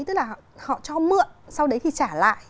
tức là họ cho mượn sau đấy thì trả lại